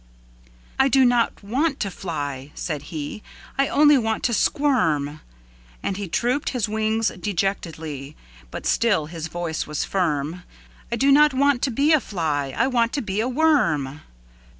"I do not want to fly," said he,"I only want to squirm!"And he drooped his wings dejectedly, But still his voice was firm:"I do not want to be a fly!I want to be a worm!